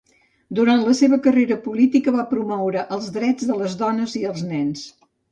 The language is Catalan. Durant la seva carrera política va promoure els drets de les dones i els nens.